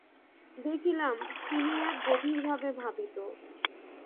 দেখিলাম, তিনি এক গভীরভাবে ভাবিত।